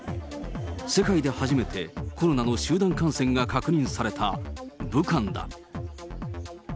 世界で初めて、コロナの集団感染が確認された武漢だ。